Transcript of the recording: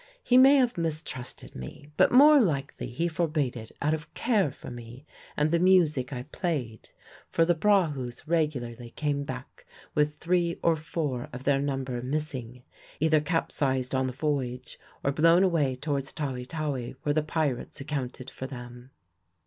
He may have mistrusted me; but more likely he forbade it out of care for me and the music I played; for the prahus regularly came back with three or four of their number missing either capsized on the voyage or blown away towards Tawi Tawi, where the pirates accounted for them.